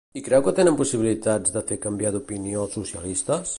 I creu que tenen possibilitats de fer canviar d'opinió els socialistes?